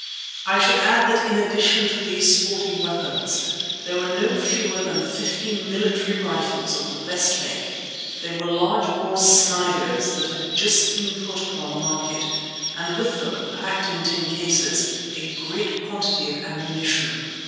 I should add that in addition to these sporting weapons there were no fewer than fifty military rifles of the best make, they were large bore Sniders that had just then been put upon the market, and with them, packed in tin cases, a great quantity of ammunition.